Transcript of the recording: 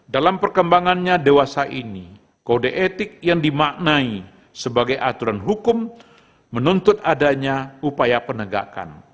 dalam perkembangannya dewasa ini kode etik yang dimaknai sebagai aturan hukum menuntut adanya upaya penegakan